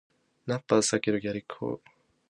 ナッパ避けろー！ギャリック砲ー！